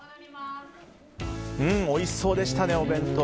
おいしそうでしたね、お弁当。